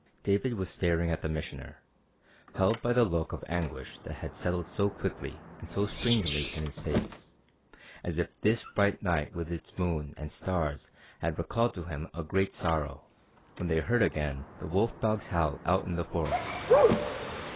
David was staring at the Missioner, held by the look of anguish that had settled so quickly and so strangely in his face, as if this bright night with its moon and stars had recalled to him a great sorrow, when they heard again the wolf dog's howl out in the forest.